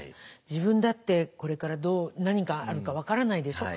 自分だってこれから何があるか分からないでしょ。